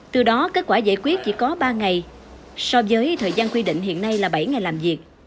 từ đó kết quả giải quyết chỉ có ba ngày so với thời gian quy định hiện nay là bảy ngày làm việc